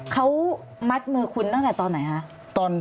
เขามัดมือคุณตั้งแต่ตอนไหนคะ